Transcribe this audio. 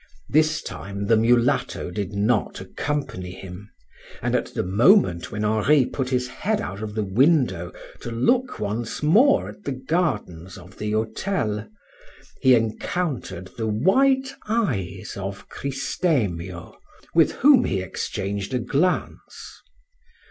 This time the mulatto did not accompany him, and at the moment when Henri put his head out of the window to look once more at the gardens of the hotel, he encountered the white eyes of Cristemio, with whom he exchanged a glance.